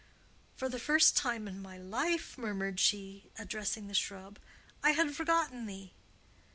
"For the first time in my life," murmured she, addressing the shrub, "I had forgotten thee."